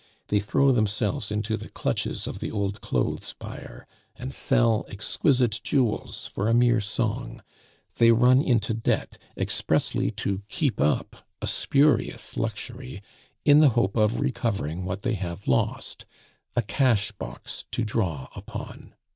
They throw themselves into the clutches of the old clothes buyer, and sell exquisite jewels for a mere song; they run into debt, expressly to keep up a spurious luxury, in the hope of recovering what they have lost a cash box to draw upon.